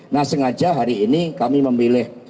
nah sengaja hari ini kami memilih